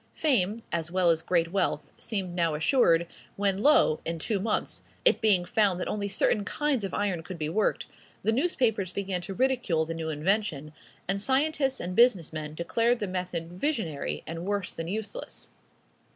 Fame, as well as great wealth, seemed now assured, when lo! in two months, it being found that only certain kinds of iron could be worked, the newspapers began to ridicule the new invention, and scientists and business men declared the method visionary, and worse than useless.